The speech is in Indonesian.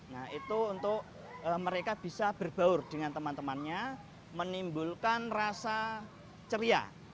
nah itu untuk mereka bisa berbaur dengan teman temannya menimbulkan rasa ceria